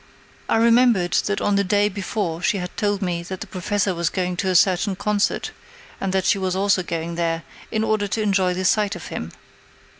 I remembered that on the day before she had told me that the Professor was going to a certain concert, and that she was also going there, in order to enjoy the sight of him.